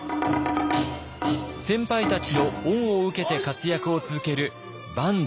先輩たちの恩を受けて活躍を続ける坂東